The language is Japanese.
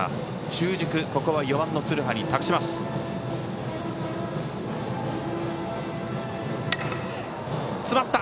中軸、ここは４番の鶴羽に託しました。